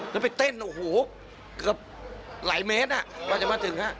เราอยากมาถึงเนี่ย